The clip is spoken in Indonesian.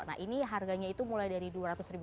nah ini harganya itu mulai dari rp dua ratus ribu